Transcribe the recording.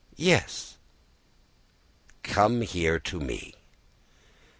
"Yes." "Come here to me."